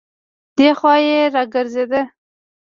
دی خوا يې راګرځېده.